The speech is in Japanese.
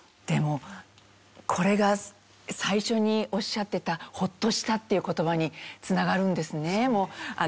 でもこれが最初におっしゃってた「ホッとした」っていう言葉に繋がるんですね。